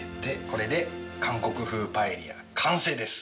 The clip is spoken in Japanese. これで韓国風パエリア完成です！